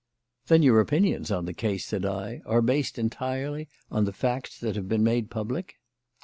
"Then your opinions on the case," said I, "are based entirely on the facts that have been made public."